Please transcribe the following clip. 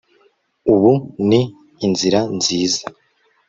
Ubu ni inzira nziza